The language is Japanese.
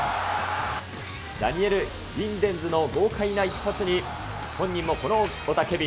ダニエル・ギデンズの豪快な一発に、本人もこの雄たけび。